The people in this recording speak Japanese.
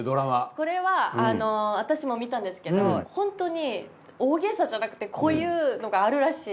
これは私も見たんですけどホントに大げさじゃなくてこういうのがあるらしい。